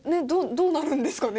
どうなるんですかね？